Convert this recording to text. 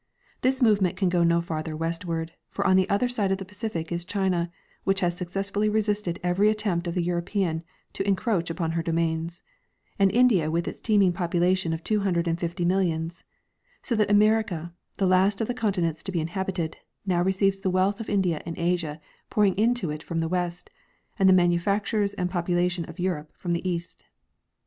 This movement can go no farther westward, for on the other side of the Pacific is China, which has successfully resisted every at tempt of the European to encroach upon her domains, and India with its teeming population of two hundred and fifty millions; so that America, the last of the continents to be inhabited, now receives the wealth of India and Asia pouring into it from the west, and the manufactures and population of Europe from the east.